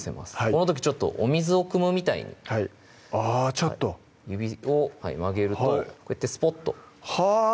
この時ちょっとお水をくむみたいにあぁちょっと指を曲げるとこうやってスポッとはぁ！